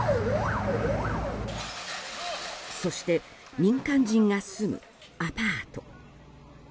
そして、民間人が住むアパート。